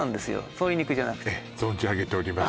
鶏肉じゃなくてええ存じ上げております